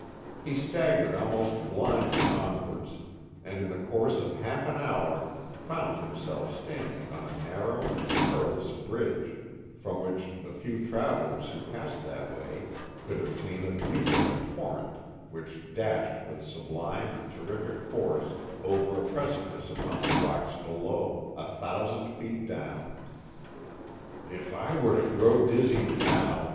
He staggered almost blindly onwards, and in the course of half an hour found himself standing on a narrow and perilous bridge, from which the few travellers who passed that way could obtain a view of a torrent which dashed with sublime and terrific force over a precipice upon the rocks below, a thousand feet down. "If I were to grow dizzy now!"